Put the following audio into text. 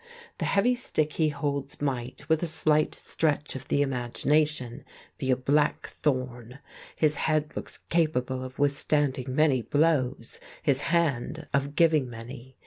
The heavy stick he holds might, with a slight stretch of the imagination, be a blackthorn; his head looks capable of withstanding many blows; his hand of giving many.